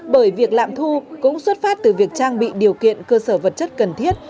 bởi việc lạm thu cũng xuất phát từ việc trang bị điều kiện cơ sở vật chất cần thiết